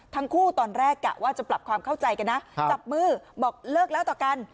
ทั้งคู่ตอนแรกกะว่าจะปรับความเข้าใจกันนะจับมือบอกเลิกแล้วต่อกัน